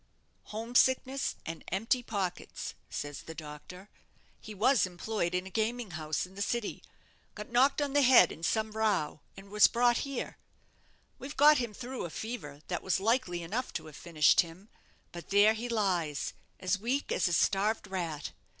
'Home sickness and empty pockets,' says the doctor; 'he was employed in a gaming house in the city, got knocked on the head in some row, and was brought here. We've got him through a fever that was likely enough to have finished him; but there he lies, as weak as a starved rat.